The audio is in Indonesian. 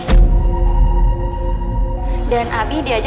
kalau be definisi game agak saja